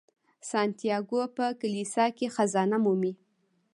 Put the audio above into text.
سانتیاګو په کلیسا کې خزانه مومي.